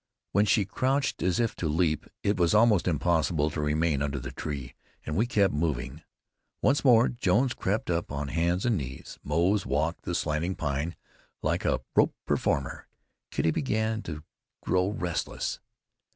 When she crouched as if to leap, it was almost impossible to remain under the tree, and we kept moving. Once more Jones crept up on hands and knees. Moze walked the slanting pine like a rope performer. Kitty began to grow restless.